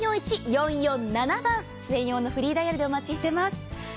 専用のフリーダイヤルでお待ちしております。